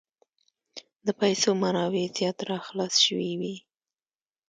د پیسو منابع زیات را خلاص شوي وې.